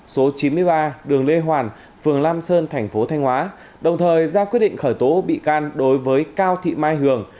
số chín mươi ba đường lê hoàn phường lam sơn thành phố thanh hóa đồng thời ra quyết định khởi tố bị can đối với cao thị mai hường